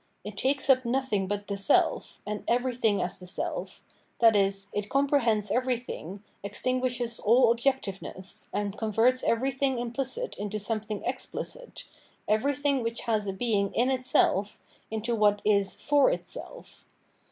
It takes up nothing but the self, and everything as the seM, i.e. it comprehends everything, extinguishes aU objectiveness, and converts everything implicit into something ex plicit, everything which has a being in itself into what is for itself.